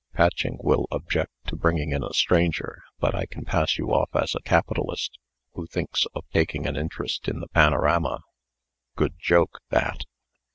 "Patching will object to bringing in a stranger; but I can pass you off as a capitalist, who thinks of taking an interest in the panorama. Good joke, that!"